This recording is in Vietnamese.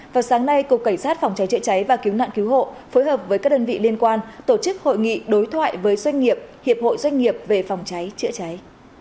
vào sáng nay cục cảnh sát phòng cháy chữa cháy và cứu nạn cứu hộ phối hợp với các đơn vị liên quan tổ chức hội nghị đối thoại với doanh nghiệp hiệp hội doanh nghiệp về phòng cháy chữa cháy